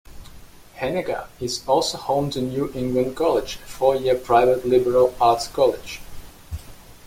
Henniker is also home to New England College, a four-year private liberal arts college.